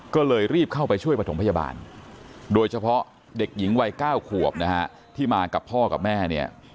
ก็เลยรีบเข้าไปช่วยประถมพยาบาลโดยเฉพาะเด็กหญิงวัย๙ขวบนะฮะที่มากับพ่อกับแม่เนี่ย